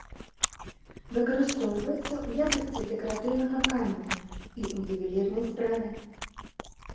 Выкарыстоўваецца ў якасці дэкаратыўнага каменя і ў ювелірнай справе.